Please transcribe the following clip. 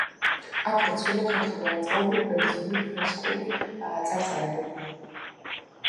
აქ დაცულია ქართული და ნაწილობრივ ბერძნული ფრესკული წარწერები.